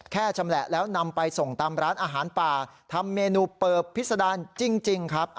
ชำแหละแล้วนำไปส่งตามร้านอาหารป่าทำเมนูเปิบพิษดารจริงครับ